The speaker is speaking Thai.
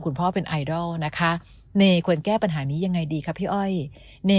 คุณพ่อเป็นไอดอลนะคะเนยควรแก้ปัญหานี้ยังไงดีคะพี่อ้อยเน